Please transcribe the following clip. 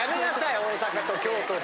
大阪と京都で。